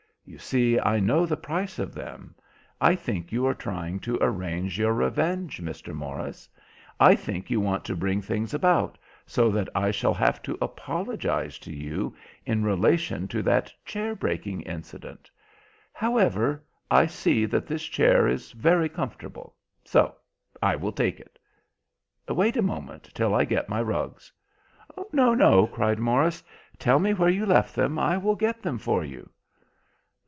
You see, I know the price of them. I think you are trying to arrange your revenge, Mr. Morris. I think you want to bring things about so that I shall have to apologise to you in relation to that chair breaking incident. However, I see that this chair is very comfortable, so I will take it. Wait a moment till I get my rugs." "No, no," cried Morris, "tell me where you left them. I will get them for you."